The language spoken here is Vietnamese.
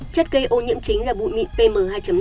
chất gây ô nhiễm chính là bụi mịn pm hai năm